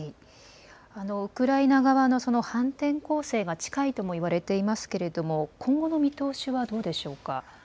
ウクライナ側の反転攻勢が近いともいわれていますけれども、今後の見通しはどうでしょうか。